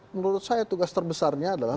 menurut saya tugas terbesarnya adalah